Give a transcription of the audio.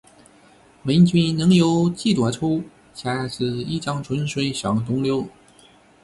问君能有几多愁？恰似一江春水向东流